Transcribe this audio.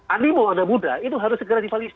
animo anak muda itu harus segera divalida